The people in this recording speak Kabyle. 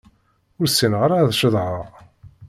Ur ssineɣ ara ad ceḍḥeɣ.